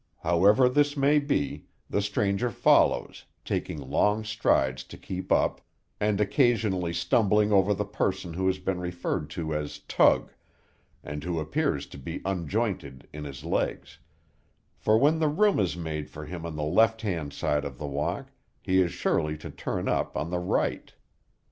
However this may be, the stranger follows, taking long strides to keep up, and occasionally stumbling over the person who has been referred to as Tug, and who appears to be unjointed in his legs; for when room is made for him on the left hand side of the walk, he is sure suddenly to turn up on the right.